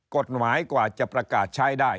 กฎหมายกว่าจะประกาศใช้ได้